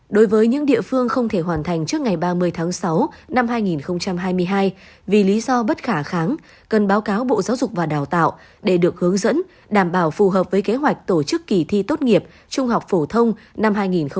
đối với những địa phương không thể hoàn thành trước ngày ba mươi tháng sáu năm hai nghìn hai mươi hai vì lý do bất khả kháng cần báo cáo bộ giáo dục và đào tạo để được hướng dẫn đảm bảo phù hợp với kế hoạch tổ chức kỳ thi tốt nghiệp trung học phổ thông năm hai nghìn hai mươi